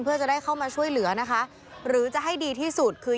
เพื่อจะได้เข้ามาช่วยเหลือนะคะหรือจะให้ดีที่สุดคือ